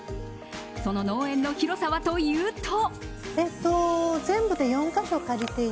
その農園の広さはというと。